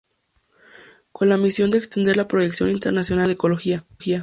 Con la misión de extender la proyección internacional del Centro de Ecología.